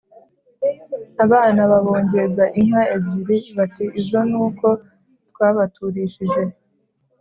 abana" Babongeza inka ebyiri, bati: "Izo ni uko twabaturishije